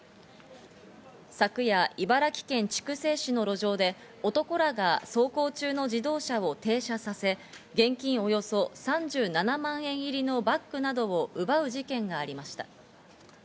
昨夜、茨城県筑西市の路上で男らが走行中の自動車を停車させ、現金およそ３７万円入りのバッグなどを奪う事件がありました。